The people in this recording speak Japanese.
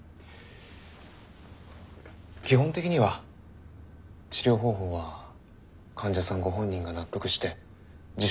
基本的には治療方法は患者さんご本人が納得して自主的に決めるのが。